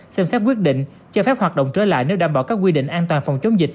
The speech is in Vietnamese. xem xét quyết định cho phép hoạt động trở lại nếu đảm bảo các quy định an toàn phòng chống dịch